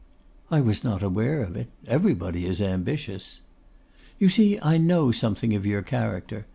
'I was not aware of it; everybody is ambitious.' 'You see I know something of your character.